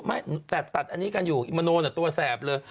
ไม่แต่ตัดอันนี้กันอยู่อีโมโนตัวแสบเลย